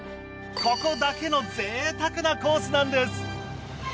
ここだけの贅沢なコースなんです。